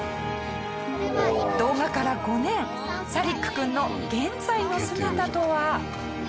動画から５年サリック君の現在の姿とは。